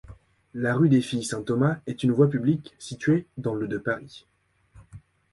La rue des Filles-Saint-Thomas est une voie publique située dans le de Paris.